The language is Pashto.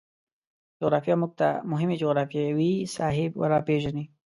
جغرافیه موږ ته مهمې جغرفیاوې ساحې روپیژني